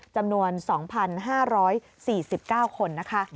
จำนวน๒๕๔๙คนนะคะ